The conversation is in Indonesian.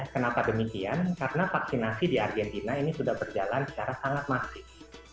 kenapa demikian karena vaksinasi di argentina ini sudah berjalan secara sangat masif